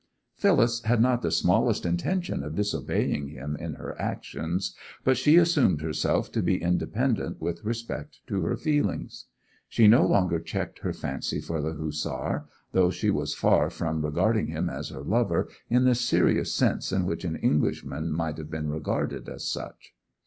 Phyllis had not the smallest intention of disobeying him in her actions, but she assumed herself to be independent with respect to her feelings. She no longer checked her fancy for the Hussar, though she was far from regarding him as her lover in the serious sense in which an Englishman might have been regarded as such.